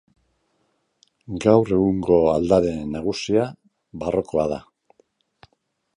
Gaur egungo aldare nagusia barrokoa da.